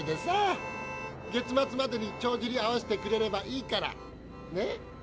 月末までにちょうじり合わせてくれればいいから。ね？